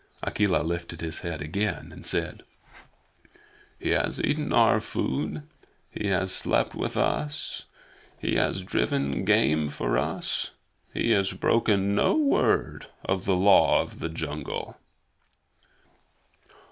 Akela lifted his head again and said, "He has eaten our food. He has slept with us. He has driven game for us. He has broken no word of the Law of the Jungle."